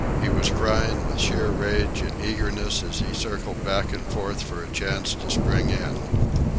He was crying with sheer rage and eagerness as he circled back and forth for a chance to spring in.